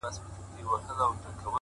له نننۍ هڅې سبا جوړېږي’